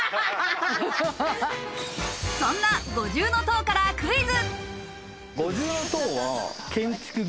そんな五重塔からクイズ。